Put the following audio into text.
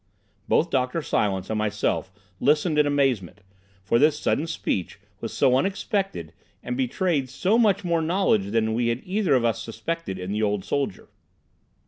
Both Dr. Silence and myself listened in amazement, for this sudden speech was so unexpected, and betrayed so much more knowledge than we had either of us suspected in the old soldier.